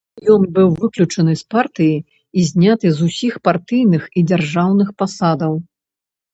Ён быў выключаны з партыі і зняты з усіх партыйных і дзяржаўных пасадаў.